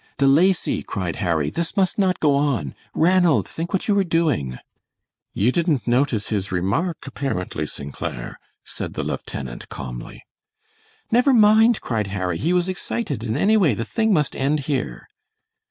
"De Lacy," cried Harry, "this must not go on! Ranald, think what you are doing!" "You didn't notice his remark, apparently, St. Clair," said the lieutenant, calmly. "Never mind," cried Harry, "he was excited, and anyway the thing must end here."